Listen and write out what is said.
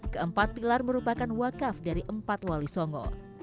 keempat pilar merupakan wakaf dari empat wali songo